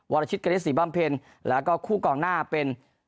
วรชิตเกณฑ์ศรีบ้ามเพลินแล้วก็คู่กล่องหน้าเป็น